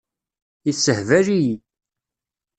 Yessehbal-iyi.